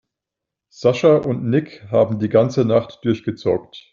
Sascha und Nick haben die ganze Nacht durchgezockt.